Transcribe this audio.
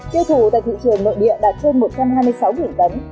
tiêu thụ tại thị trường nội địa đạt trên một trăm hai mươi sáu tấn